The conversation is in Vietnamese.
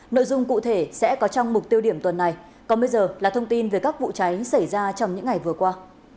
nội dung cụ thể sẽ có trong mục tiêu điểm tuần này còn bây giờ là thông tin về các vụ cháy xảy ra trong những ngày vừa qua